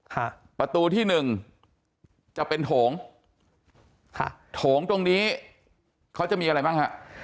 ค่ะประตูที่หนึ่งจะเป็นโถงค่ะโถงตรงนี้เขาจะมีอะไรบ้างฮะ